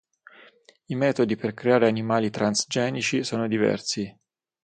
I metodi per creare animali transgenici sono diversi.